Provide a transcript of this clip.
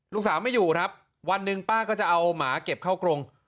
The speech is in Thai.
ลูกสาวไม่อยู่ครับวันหนึ่งป้าก็จะเอาหมาเก็บเข้ากรง